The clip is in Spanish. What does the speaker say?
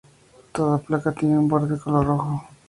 Toda la placa tiene un borde de color rojo.